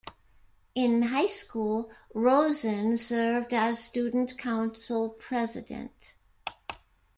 In high school, Rosen served as student council president.